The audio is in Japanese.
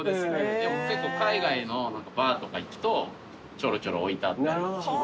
結構海外のバーとか行くとちょろちょろ置いてあったり。